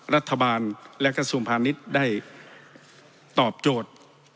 รัฐบาลและกระทรวงพาณิชย์ได้ตอบโจทย์